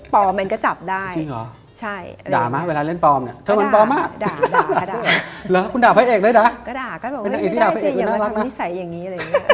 โปรดติดตามตอนต่อไป